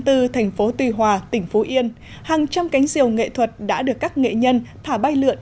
thành phố tuy hòa tỉnh phú yên hàng trăm cánh diều nghệ thuật đã được các nghệ nhân thả bay lượn